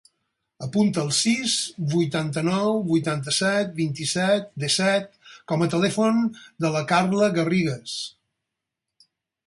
Apunta el sis, vuitanta-nou, vuitanta-set, vint-i-set, disset com a telèfon de la Carla Garrigues.